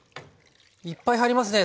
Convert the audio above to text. いっぱい入りますね。